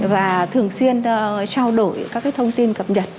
và thường xuyên trao đổi các thông tin